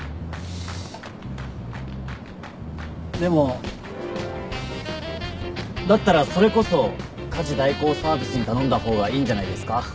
でもだったらそれこそ家事代行サービスに頼んだ方がいいんじゃないですか？